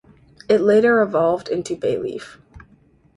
It later evolved into Bayleef.